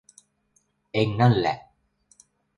เอ็งนั่นแหละ